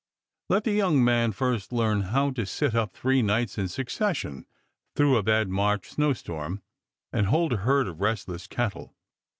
Let the young man first learn how to sit up three nights in succession, through a bad March snow storm and "hold" a herd of restless cattle.